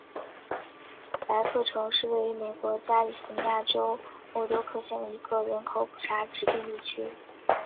莱克城是位于美国加利福尼亚州莫多克县的一个人口普查指定地区。